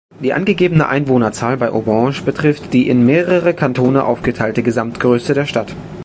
Die angegebene Einwohnerzahl bei Aubagne betrifft die in mehrere Kantone aufgeteilte Gesamtgröße der Stadt.